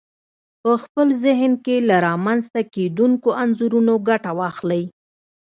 په خپل ذهن کې له رامنځته کېدونکو انځورونو ګټه واخلئ.